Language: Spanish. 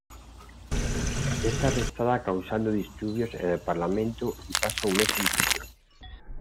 Es arrestada causando disturbios en el Parlamento y pasa un mes en prisión.